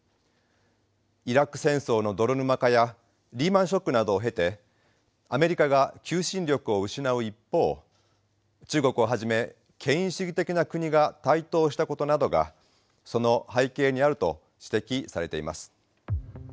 イラク戦争の泥沼化やリーマンショックなどを経てアメリカが求心力を失う一方中国をはじめ権威主義的な国が台頭したことなどがその背景にあると指摘されています。